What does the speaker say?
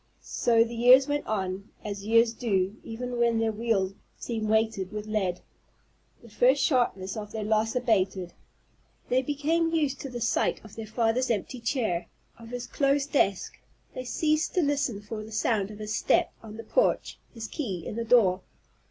So the years went on, as years do even when their wheels seem weighted with lead. The first sharpness of their loss abated. They became used to the sight of their father's empty chair, of his closed desk; they ceased to listen for the sound of his step on the porch, his key in the door.